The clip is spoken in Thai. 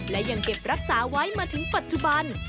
และยังเก็บรักษาไว้มาถึงปัจจุบัน